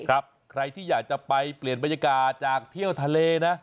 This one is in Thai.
ใครที่อยากจะไปเปลี่ยนบรรยากาศจากเที่ยวทะเลนะ